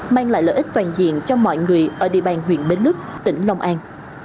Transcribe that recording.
mang lại lợi ích toàn diện cho mọi người ở địa bàn huyện bến lức tỉnh long an